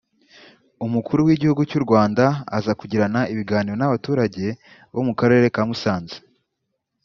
Umukuru w’igihugu cy’ u Rwanda aza kugirana ibiganiro n’abaturage bo mu karere ka Musanze